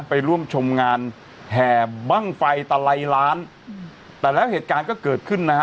ไปร่วมชมงานแห่บ้างไฟตะไลล้านแต่แล้วเหตุการณ์ก็เกิดขึ้นนะฮะ